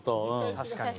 確かに。